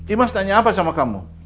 imas tanya apa sama kamu